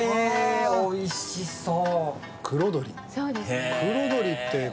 おいしそう。